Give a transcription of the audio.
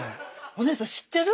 お姉さん知ってる？